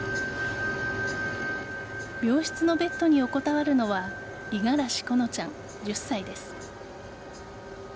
病室のベッドに横たわるのは五十嵐好乃ちゃん、１０歳です。